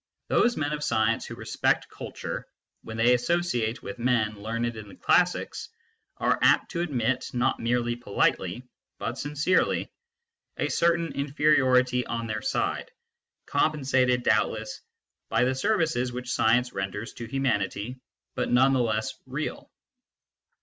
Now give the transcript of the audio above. Those men of science who respect culture, when they associate with men learned in the classics, are apt to admit, not merely politely, but sincerely, a certain inferiority on their side, compensated doubtless by the services which science renders to humanity, but none the less real.